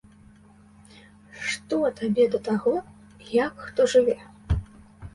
Што табе да таго, як хто жыве!